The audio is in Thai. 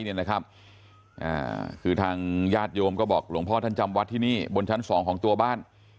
คือทางญาติโยมก็บอกหลวงพ่อท่านจำวัดที่นี่บนชั้นสองของตัวบ้าน